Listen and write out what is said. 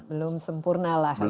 belum sempurna lah